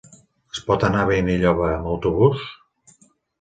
Es pot anar a Benilloba amb autobús?